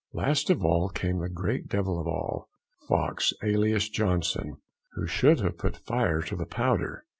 Last of all came the great devil of all, Fawkes, alias Johnson, who should have put fire to the powder.